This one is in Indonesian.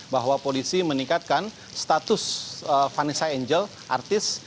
bahwa polisi meningkatkan status vanessa angel artis